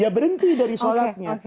ya berhenti dari sholatnya